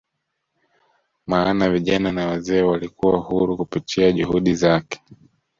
maana vijana na wazee walikuwa huru kupitia juhudi zake